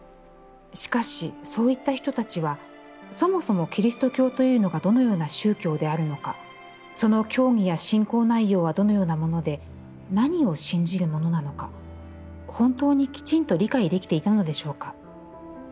しかし、そういった人たちは、そもそも、キリスト教というのがどのような宗教であるのか、その教義や信仰内容はどのようなもので、何を信じるものなのか、本当にきちんと理解できていたのでしょうか。